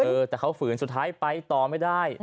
เออแต่เขาฝืนสุดท้ายไปต่อไม่ได้